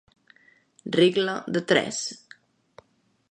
Regla de tres.